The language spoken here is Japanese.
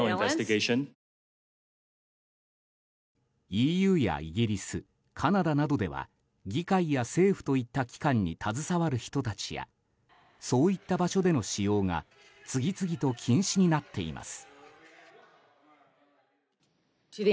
ＥＵやイギリスカナダなどでは議会や政府といった機関に携わる人たちやそういった場所での使用が次々と禁止になっています。